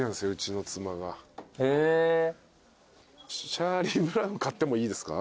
チャーリー・ブラウン買ってもいいですか？